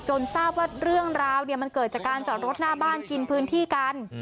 ทราบว่าเรื่องราวมันเกิดจากการจอดรถหน้าบ้านกินพื้นที่กัน